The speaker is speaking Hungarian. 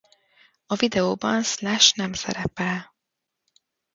A videóban Slash nem szerepel.